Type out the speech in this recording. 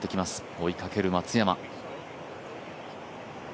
追いかける松山。